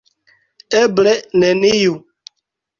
Eble neniu.